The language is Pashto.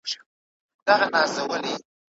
په ګرځېدو کي د چا غوښتنه نه ردېږي.